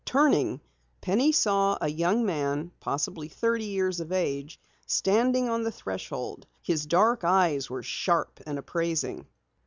Turning, Penny saw a young man, possibly thirty years of age, standing on the threshold. His dark eyes were sharp and appraising.